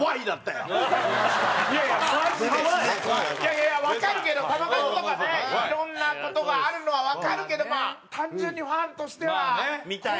いやいやわかるけど球数とかねいろんな事があるのはわかるけど単純にファンとしては。見たい。